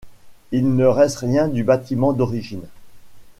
Il ne reste rien du bâtiment d'origine.